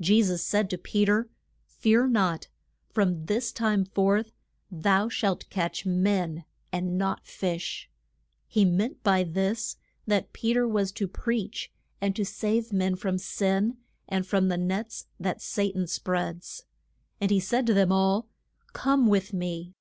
Je sus said to Pe ter, Fear not; from this time forth thou shalt catch men and not fish. He meant by this that Pe ter was to preach, and to save men from sin, and from the nets that Sa tan spreads. And he said to them all, Come with me.